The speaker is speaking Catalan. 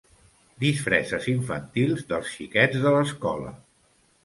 Disfresses infantils dels xiquets de l'escola.